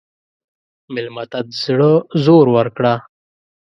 مېلمه ته د زړه زور ورکړه.